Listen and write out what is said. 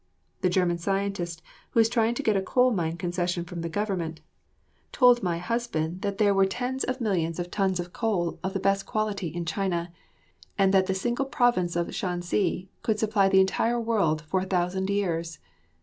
The German scientist who is trying to get a coal mine concession from the government told my husband that there were tens of millions of tons of coal of the best quality in China, and that the single province of Shansi could supply the entire world for a thousand years.